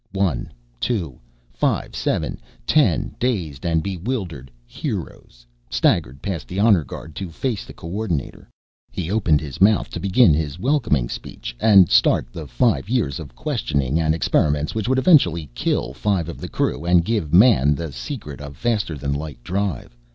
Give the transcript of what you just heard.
One, two, five, seven, ten dazed and bewildered "heroes" staggered past the honor guard, to face the Co ordinator. He opened his mouth to begin his welcoming speech, and start the five years of questioning and experiments which would eventually kill five of the crew and give Man the secret of faster than light drive.